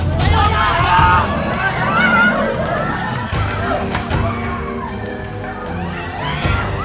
tunggu tunggu tunggu